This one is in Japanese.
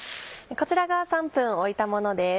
こちらが３分置いたものです。